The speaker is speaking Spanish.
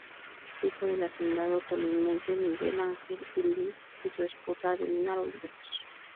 Hijo del hacendado tolimense D. Miguel Ángel Lis y su esposa, Adelina Oliveros.